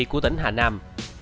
của tỉnh hà nam